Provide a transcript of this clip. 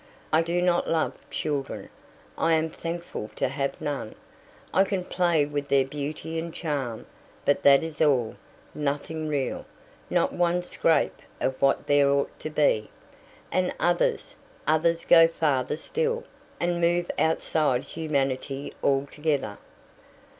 I do not love children. I am thankful to have none. I can play with their beauty and charm, but that is all nothing real, not one scrap of what there ought to be. And others others go farther still, and move outside humanity altogether.